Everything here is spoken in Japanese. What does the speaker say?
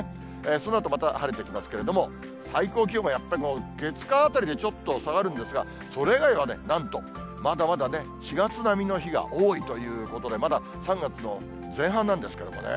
そのあとまた晴れてきますけれども、最高気温もやっぱり月、火あたりでちょっと下がるんですが、それ以外はなんとまだまだ４月並みの日が多いということで、まだ３月の前半なんですけどね。